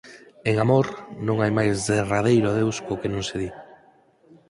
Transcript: En amor non hai máis derradeiro adeus có que non se di.